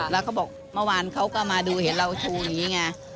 แล้วเขาบอกเมื่อวานเขาก็มาดูเห็นเราชูอย่างนี้ไง